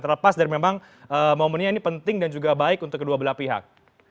terlepas dan memang momennya ini penting dan juga baik untuk kedua belah pihak